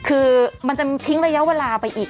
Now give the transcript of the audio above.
คือมันจะทิ้งระยะเวลาไปอีก